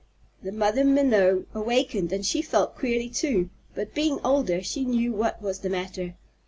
The Mother Minnow awakened and she felt queerly too, but, being older, she knew what was the matter.